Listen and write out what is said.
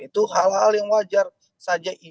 itu hal hal yang wajar saja